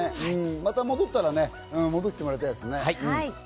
また戻ってもらいたいですね。